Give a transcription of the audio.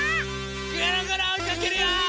ぐるぐるおいかけるよ！